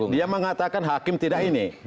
dia mengatakan hakim tidak ini